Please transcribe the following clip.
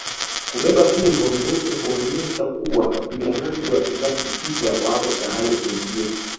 Kubeba fimbo nyeupe huonyesha kuwa wapiganaji wa kizazi kipya wako tayari kuingia